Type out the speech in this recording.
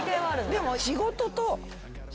でも。